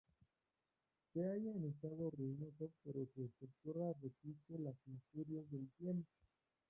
Se halla en estado ruinoso pero su estructura resiste las injurias del tiempo.